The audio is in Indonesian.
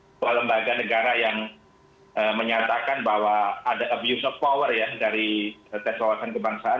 sebuah lembaga negara yang menyatakan bahwa ada abuse of power ya dari tes wawasan kebangsaan